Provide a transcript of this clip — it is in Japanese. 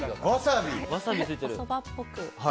おそばっぽく。